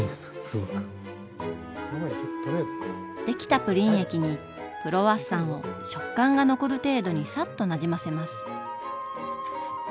できたプリン液にクロワッサンを食感が残る程度にサッとなじませます。